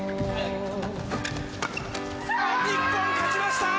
日本勝ちました。